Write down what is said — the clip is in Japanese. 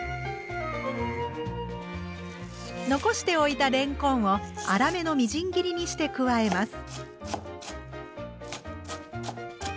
残しておいたれんこんを粗めのみじん切りにして加えます。